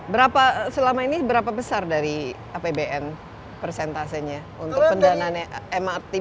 berapa selama ini berapa besar dari apbn persentasenya untuk pendanaan mrt baik dari pemerintah